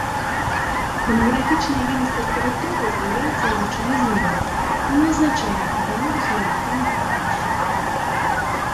Дэмаграфічная ёмістасць тэрыторыі з'яўляецца велічынёй зменнай і не азначае якога-небудзь нарматыўнага паказчыку.